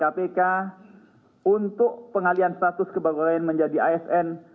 ket livre untuk pengalian status kebegawaian menjadi asn